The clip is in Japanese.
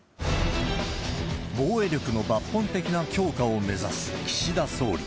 防衛力の抜本的な強化を目指す岸田総理。